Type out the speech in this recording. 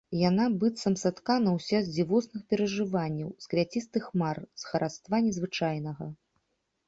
Яна быццам саткана ўся з дзівосных перажыванняў, з квяцістых мар, з хараства незвычайнага.